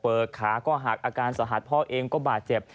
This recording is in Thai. ขาก็หักอาการสาหัสพ่อเองก็บาดเจ็บ